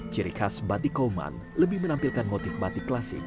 ciri khas batik kauman lebih menampilkan motif batik klasik